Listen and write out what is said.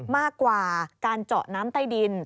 มากกว่าการเจาะน้ำใต้ดิน